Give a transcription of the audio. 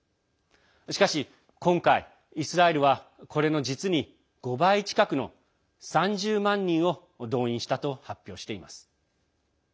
しかし今回、イスラエルはこれの、実に５倍近くの３０万人を動員したと発表しています。